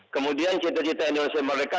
kemudian cita cita indonesia mereka